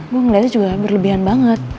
gue ngeliatnya juga berlebihan banget